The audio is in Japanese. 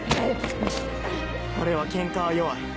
俺はケンカは弱い